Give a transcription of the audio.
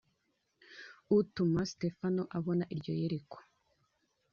utuma Sitefano abona iryo yerekwa